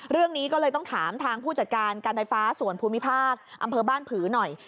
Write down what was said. เรื่องนี้ก็เลยต้องถามทางผู้จัดการการไฟฟ้าส่วนภูมิภาคอำเภอบ้านผือหน่อย